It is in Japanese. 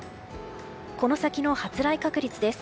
この先の発雷確率です。